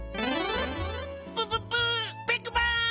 プププ！ビッグバーン！